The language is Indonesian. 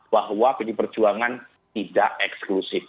bahwa pdi perjuangan tidak eksklusif